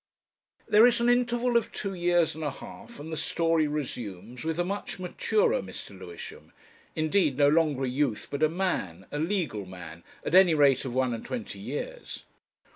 There is an interval of two years and a half and the story resumes with a much maturer Mr. Lewisham, indeed no longer a youth, but a man, a legal man, at any rate, of one and twenty years.